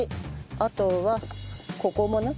あとはここもね